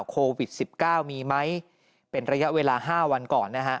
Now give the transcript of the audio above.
โควิด๑๙มีไหมเป็นระยะเวลา๕วันก่อนนะฮะ